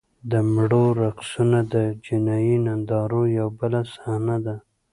د مړو رقصونه د جنایي نندارو یوه بله صحنه ده.